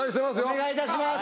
お願いいたします！